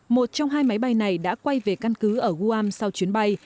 một trong hai máy bay này đã quay về căn cứ ở guam sau chuyến bay